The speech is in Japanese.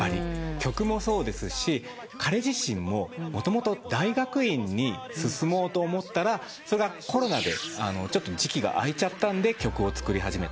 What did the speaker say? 曲もそうですし彼自身ももともと大学院に進もうと思ったらそれがコロナで時期が空いちゃったんで曲を作り始めた。